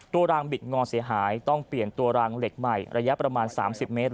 รางบิดงอเสียหายต้องเปลี่ยนตัวรางเหล็กใหม่ระยะประมาณ๓๐เมตร